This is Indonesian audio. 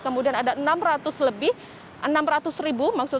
kemudian ada enam ratus ribu